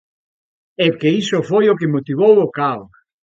É que iso foi o que motivou o caos.